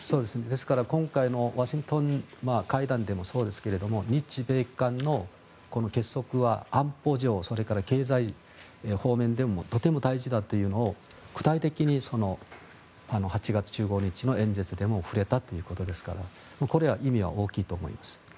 ですから、今回のワシントン会談でもそうですが日米韓の結束は安保上、それから経済方面でもとても大事だというのを具体的に８月１５日の演説でも触れたということですからこれは意味は大きいと思います。